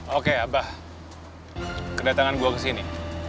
oke abah kedatangan gue kesini